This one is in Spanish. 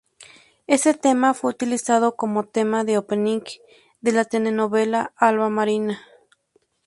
Ese tema fue utilizado como tema de opening de la telenovela "Alba Marina".